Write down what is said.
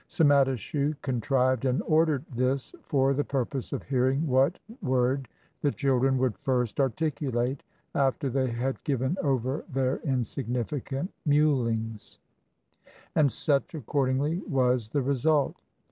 Psanamitichus contrived and ordered this for the pur pose of hearing what ,word the children would first articulate, after they had given over their insignificant mewlings; and such accordingly was the result.